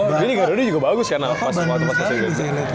mungkin garuda juga bagus kan pas waktu waktu itu